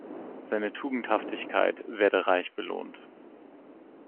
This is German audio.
Seine Tugendhaftigkeit werde reich belohnt.